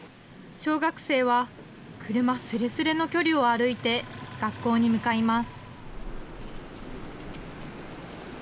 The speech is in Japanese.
小学生は車すれすれの距離を歩いて、学校に向かいます。